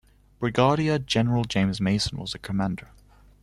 Brigadier General James Mason was the commander.